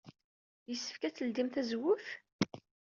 Yessefk ad tledyemt tazewwut?